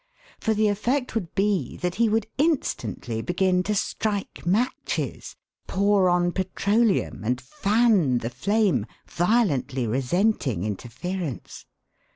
For the effect would be that he would instantly begin to strike matches, pour on petroleum, and fan the flame, violently resenting interference.